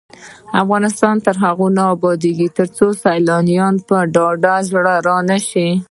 افغانستان تر هغو نه ابادیږي، ترڅو سیلانیان په ډاډه زړه را نشي.